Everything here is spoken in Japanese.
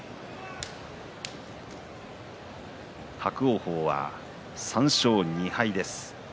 伯桜鵬は３勝２敗です。